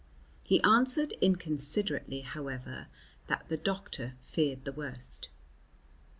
He answered inconsiderately, however, that the doctor feared the worst.